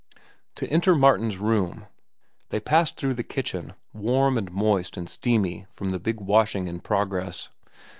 To enter Martin's room, they passed through the kitchen, warm and moist and steamy from the big washing in progress.